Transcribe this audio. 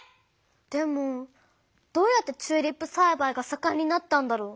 でもどうやってチューリップさいばいがさかんになったんだろう？